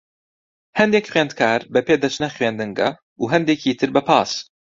هەندێک خوێندکار بە پێ دەچنە خوێندنگە، و هەندێکی تر بە پاس.